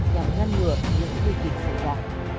nhằm ngăn ngừa những kỳ kịch xảy ra